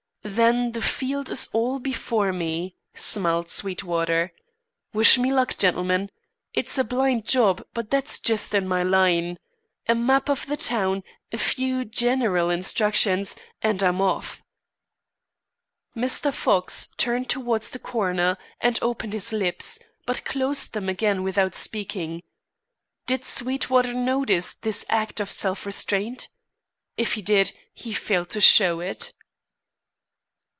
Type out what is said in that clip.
"Then the field is all before me," smiled Sweetwater. "Wish me luck, gentlemen. It's a blind job, but that's just in my line. A map of the town, a few general instructions, and I'm off." Mr. Fox turned towards the coroner, and opened his lips; but closed them again without speaking. Did Sweetwater notice this act of self restraint? If he did, he failed to show it.